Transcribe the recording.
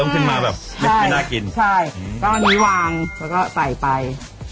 ก็ต่อกดไป